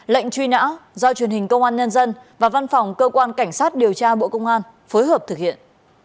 lệnh truy nã do truyền hình công an nhân dân và văn phòng cơ quan cảnh sát điều tra bộ công an phối hợp thực hiện